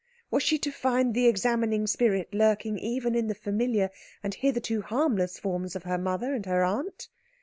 Was she to find the examining spirit lurking even in the familiar and hitherto harmless forms of her mother and her aunt?